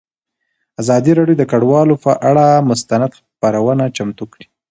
ازادي راډیو د کډوال پر اړه مستند خپرونه چمتو کړې.